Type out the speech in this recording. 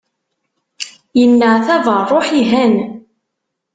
Yenneɛtab rruḥ, ihan.